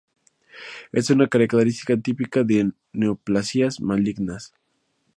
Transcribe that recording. Ésta es una característica típica de neoplasias malignas.